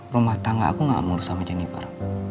rumah tangga aku gak mau sama jennifer